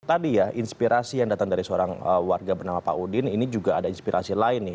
tadi ya inspirasi yang datang dari seorang warga bernama pak udin ini juga ada inspirasi lain nih